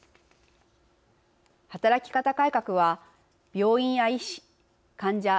働き方改革は病院や医師、患者